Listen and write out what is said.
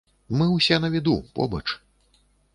Мы ўсе на віду, побач.